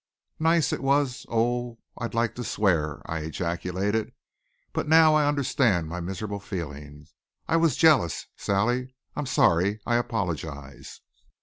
"Nice! It was oh, I'd like to swear!" I ejaculated. "But now I understand my miserable feeling. I was jealous, Sally, I'm sorry. I apologize."